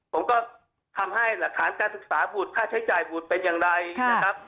ผมก็ทำให้หลักฐานการศึกษาบุตรค่าใช้จ่ายบุตรเป็นอย่างไรนะครับ